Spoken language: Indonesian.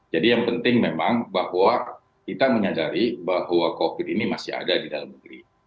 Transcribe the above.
jadi yang penting memang bahwa kita menyadari bahwa covid ini masih ada di dalam negeri